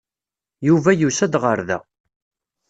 Yuba yusa-d ɣer da.